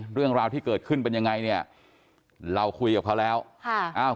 เรื่องราวที่เกิดขึ้นเป็นยังไงเนี่ยเราคุยกับเขาแล้วค่ะอ้าว